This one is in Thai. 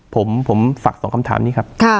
ผมฝากสองคำถามนี้ครับ